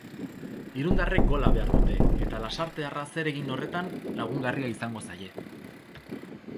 Irundarrek gola behar dute, eta lasartearra zer egin horretan lagungarria izango zaie.